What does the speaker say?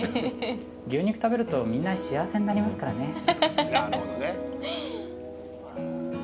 牛肉食べるとみんな幸せになりますからね。